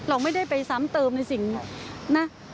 เราไม่ได้ไปซ้ำเติมในสิ่งนะ